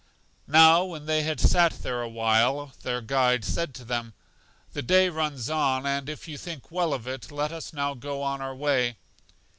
Now when they had sat there a while, their guide said to them: The day runs on, and if you think well of it, let us now go on our way.